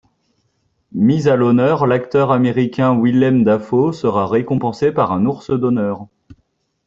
Mis à l’honneur, l'acteur américain Willem Dafoe sera récompensé par un Ours d'honneur.